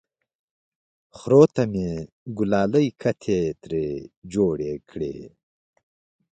خرو ته مې ګلالۍ کتې ترې جوړې کړې!